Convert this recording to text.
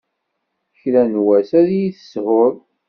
Kra n wass ad iyi-teshuḍ.